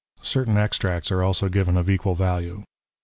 Certain extracts are also given of equal value.